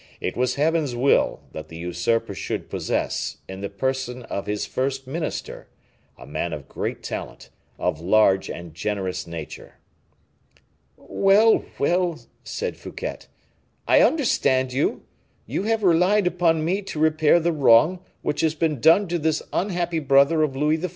It was Heaven's will that the usurper should possess, in the person of his first minister, a man of great talent, of large and generous nature." "Well, well," said Fouquet, "I understand you; you have relied upon me to repair the wrong which has been done to this unhappy brother of Louis XIV.